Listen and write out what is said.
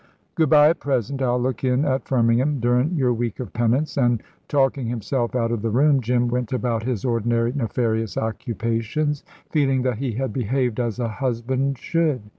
Goo'bye at present. I'll look in at Firmingham durin' your week of penance"; and, talking himself out of the room, Jim went about his ordinary nefarious occupations, feeling that he had behaved as a husband should.